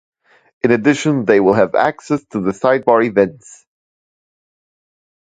In addition they will have access to the sidebar events.